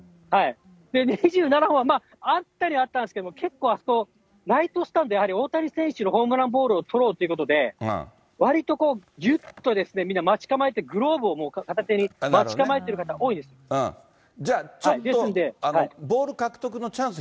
２７本は、まあ、あったにはあったんですけど、結構、ライトスタンド、大谷選手のホームランボールを捕ろうっていうことで、わりとこう、ぎゅっと待ち構えて、グローブを片手に待ち構えている方、じゃあちょっと、ボール獲得のチャンス